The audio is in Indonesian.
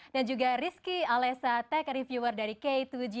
dan juga rizky alessa tech reviewer dari k dua g